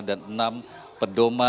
dan enam pedoman